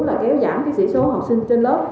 là kéo giảm sỉ số học sinh trên lớp